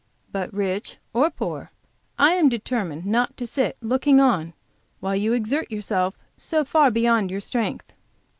"But rich or poor I am determined not to sit looking on while you exert yourself so far beyond your strength.